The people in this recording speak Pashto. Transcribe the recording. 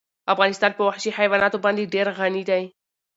افغانستان په وحشي حیواناتو باندې ډېر غني دی.